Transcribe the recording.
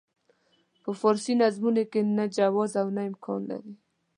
په فارسي نظمونو کې نه جواز او نه امکان لري.